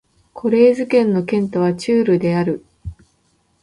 コレーズ県の県都はチュールである